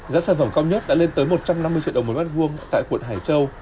giá sản phẩm cao nhất đã lên tới một trăm năm mươi triệu đồng một mét vuông tại quận hải châu